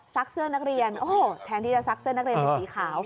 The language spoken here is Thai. เสื้อนักเรียนโอ้โหแทนที่จะซักเสื้อนักเรียนเป็นสีขาว